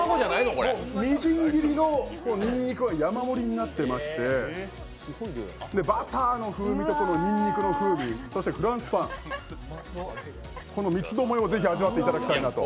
みじん切りのにんにくが山盛りになっていまして、バターの風味とにんにくの風味、そしてフランスパン、この三つどもえをぜひ味わっていただきたいなと。